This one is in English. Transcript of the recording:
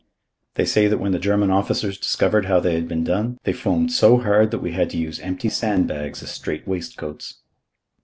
They say that when the German officers discovered how they had been done, they foamed so hard that we had to use empty sandbags as strait waistcoats.